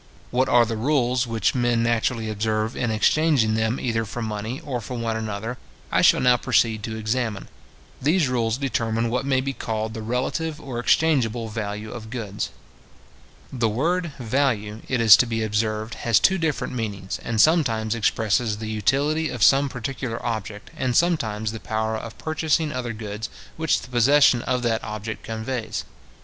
What are the rules which men naturally observe, in exchanging them either for money, or for one another, I shall now proceed to examine. These rules determine what may be called the relative or exchangeable value of goods. The word VALUE, it is to be observed, has two different meanings, and sometimes expresses the utility of some particular object, and sometimes the power of purchasing other goods which the possession of that object conveys.